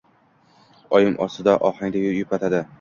Oyim osoyishta ohangda yupatadi.